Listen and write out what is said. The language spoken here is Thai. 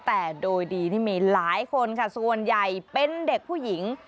แต่โดยดีนี่มีหลายคนค่ะส่วนใหญ่เป็นเด็กผู้หญิง